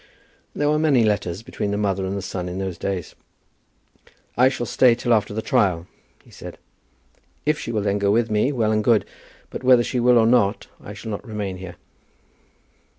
There were many letters between the mother and son in those days. "I shall stay till after the trial," he said. "If she will then go with me, well and good; but whether she will or not, I shall not remain here."